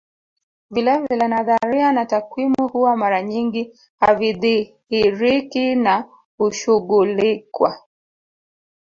Vilevile nadharia na takwimu huwa mara nyingi havidhihiriki na hushughulikwa